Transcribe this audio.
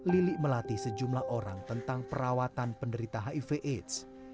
lili melatih sejumlah orang tentang perawatan penderita hiv aids